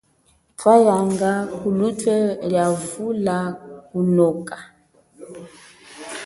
Twanyanga kulutwe lia vula kunoka.